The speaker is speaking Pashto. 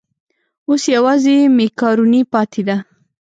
اوس یوازې مېکاروني پاتې ده.